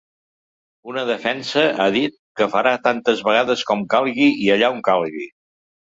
Una defensa, ha dit, que farà tantes vegades com calgui i allà on calgui.